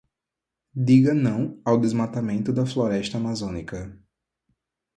Diga não ao desmatamento da floresta amazônica